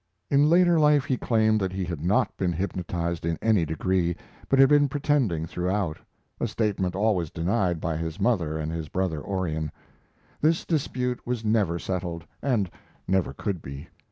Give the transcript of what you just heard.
In later life he claimed that he had not been hypnotized in any degree, but had been pretending throughout a statement always denied by his mother and his brother Orion. This dispute was never settled, and never could be.